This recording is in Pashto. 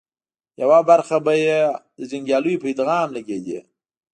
يوه برخه به یې د جنګياليو په ادغام لګېدې